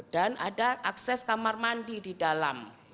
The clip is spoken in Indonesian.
dan ada akses kamar mandi di dalam